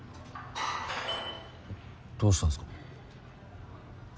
どうしたんすか？